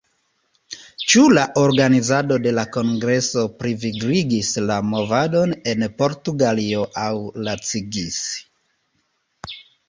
Ĉu la organizado de la kongreso plivigligis la movadon en Portugalio aŭ lacigis?